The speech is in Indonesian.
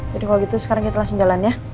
kalau gitu sekarang kita langsung jalan ya